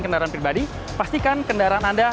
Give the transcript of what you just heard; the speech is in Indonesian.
kendaraan pribadi pastikan kendaraan anda